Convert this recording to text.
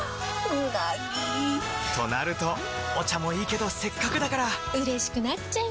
うなぎ！となるとお茶もいいけどせっかくだからうれしくなっちゃいますか！